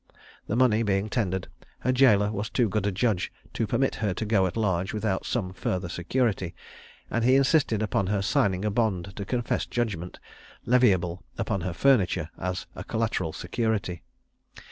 The money being tendered, her jailor was too good a judge to permit her to go at large without some further security; and he insisted upon her signing a bond to confess judgment, levyable upon her furniture, as a collateral security.